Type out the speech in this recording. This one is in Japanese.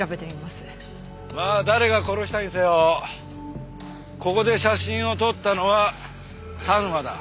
まあ誰が殺したにせよここで写真を撮ったのは田沼だ。